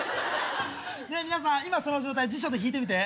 ねぇ皆さん今その状態辞書で引いてみて。